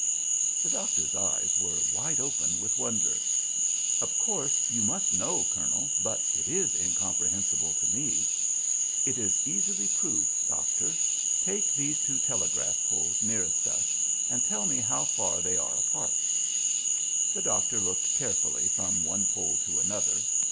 The doctor's eyes were wide open with wonder. "Of course you must know, colonel, but it is incomprehensible to me." "It is easily proved, doctor. Take these two telegraph poles nearest us and tell me how far they are apart." The doctor looked carefully from one pole to another.